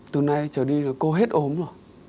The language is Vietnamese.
từ nay trở đi là cô hết ốm rồi